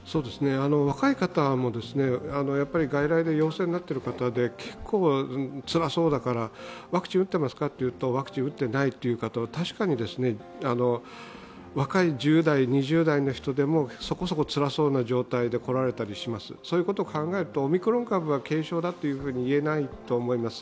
若い方も、やっぱり外来で陽性になっている方で結構、つらそうだからワクチン打ってますかというとワクチン打っていないという方は確かに若い１０代、２０代の方々も、そこそこつらそうに来られたりします、そういうことを考えると、オミクロン株は軽症だと言えないと思います。